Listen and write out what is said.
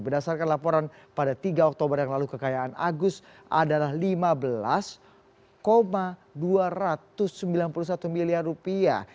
berdasarkan laporan pada tiga oktober yang lalu kekayaan agus adalah lima belas dua ratus sembilan puluh satu miliar rupiah